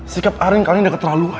sikap arin kali ini udah keterlaluan